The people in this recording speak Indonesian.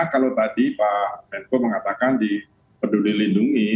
kalau tadi pak menko mengatakan di peduli lindungi